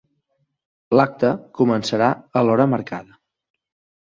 L'acte començarà a l'hora marcada.